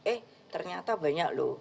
eh ternyata banyak loh